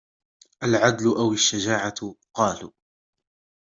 الْعَدْلُ أَوْ الشُّجَاعَةُ ؟ قَالُوا